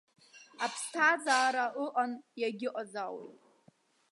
Аԥсҭазаара ыҟан, иагьыҟазаауеит!